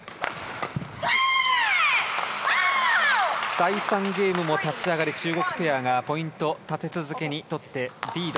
第３ゲームも立ち上がり中国ペアがポイントを立て続けに取ってリード。